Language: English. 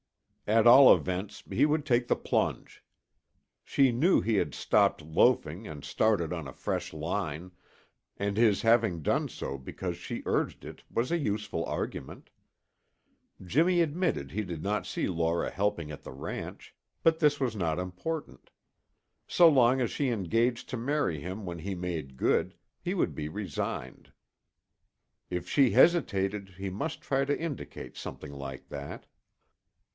At all events, he would take the plunge. She knew he had stopped loafing and started on a fresh line, and his having done so because she urged it was a useful argument. Jimmy admitted he did not see Laura helping at the ranch, but this was not important. So long as she engaged to marry him when he made good, he would be resigned. If she hesitated, he must try to indicate something like that.